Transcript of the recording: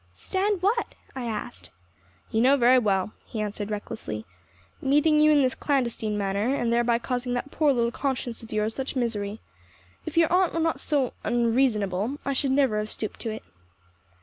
"Stand what?" I asked. "You know very well," he answered recklessly. "Meeting you in this clandestine manner, and thereby causing that poor little conscience of yours such misery. If your aunt were not so unreasonable, I should never have stooped to it."